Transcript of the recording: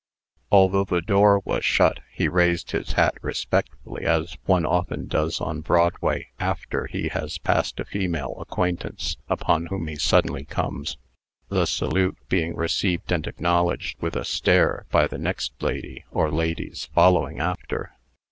Although the door was shut, he raised his hat respectfully as one often does on Broadway after he has passed a female acquaintance upon whom he suddenly comes the salute being received and acknowledged with a stare by the next lady, or ladies, following after.